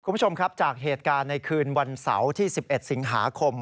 คุณผู้ชมครับจากเหตุการณ์ในคืนวันเสาร์ที่๑๑สิงหาคม